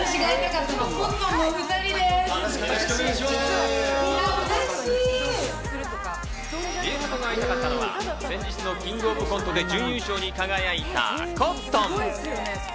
ＲＩＥＨＡＴＡさんが会いたかったのは先日の『キングオブコント』で準優勝に輝いたコットン。